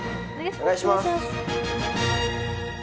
お願いします！